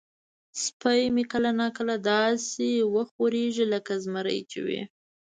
سپی مې کله نا کله داسې وخوریږي لکه زمری چې وي.